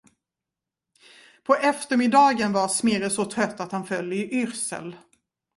På eftermiddagen var Smirre så trött, att han föll i yrsel.